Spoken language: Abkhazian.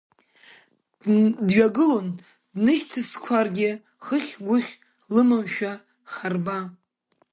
Дҩагылон днышьҭасқәаргьы, хыхь-гәыхь лымамшәа харба.